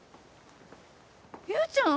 勇ちゃん？